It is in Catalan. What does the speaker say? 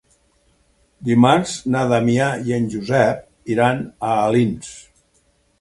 Dimarts na Damià i en Josep iran a Alins.